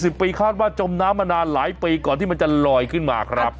สิบปีคาดว่าจมน้ำมานานหลายปีก่อนที่มันจะลอยขึ้นมาครับ